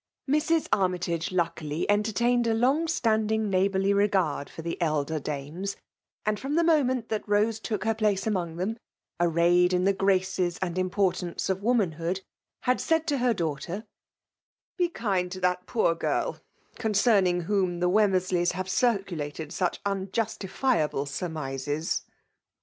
Mrs. Armytagc luckily entertained a long •tattiding neighbourly regard for the elder daines ; and from the moment that Kosc took her place among them, arrayed in the graced and importance of womat&ood^ had said to her daughter, '' Be kind to that poor girl, conc^n iag whom the Wemmersleys have circulated such unjustifiable surmises."